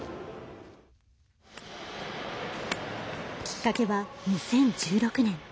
きっかけは２０１６年。